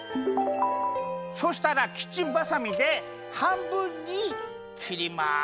そうしたらキッチンバサミではんぶんにきります！